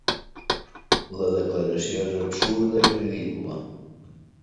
La declaració és absurda i ridícula.